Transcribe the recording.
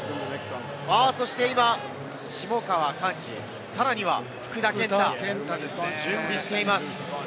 そして今、下川甲嗣、さらには福田健太、準備しています。